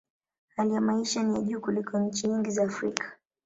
Hali ya maisha ni ya juu kuliko nchi nyingi za Afrika.